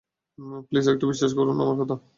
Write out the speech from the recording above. Please, একটু বিশ্বাস করুন আমার কথা।